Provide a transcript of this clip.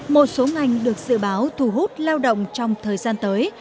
một số ngành được dự báo thu hút lao động trong thời gian tới